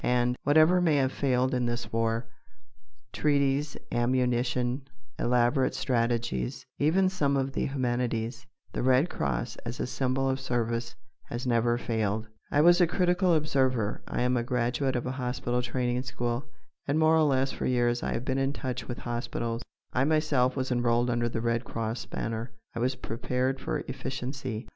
And, whatever may have failed in this war treaties, ammunition, elaborate strategies, even some of the humanities the Red Cross as a symbol of service has never failed. I was a critical observer. I am a graduate of a hospital training school, and more or less for years I have been in touch with hospitals. I myself was enrolled under the Red Cross banner. I was prepared for efficiency.